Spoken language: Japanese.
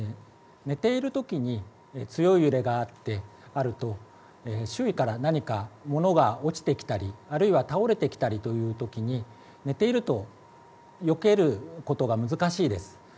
寝ているときに強い揺れがあると周囲から何か物が落ちてきたりあるいは倒れてきたりというときに寝ていると避けることが難しいです。